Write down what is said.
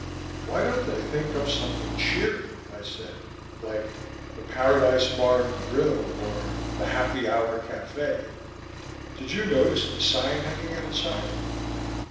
"Why don't they think up something cheery," I said. "Like 'The Paradise Bar and Grill' or 'The Happy Hour Cafe'. Did you notice the sign hanging outside?"